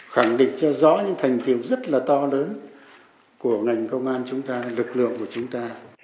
khẳng định cho rõ những thành tiệu rất là to lớn của ngành công an chúng ta lực lượng của chúng ta